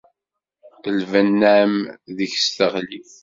Lbenna-m deg-s teɣli.